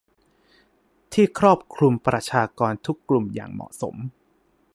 ที่ครอบคลุมประชากรทุกกลุ่มอย่างเหมาะสม